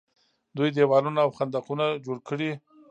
دوی دیوالونه او خندقونه جوړ کړي.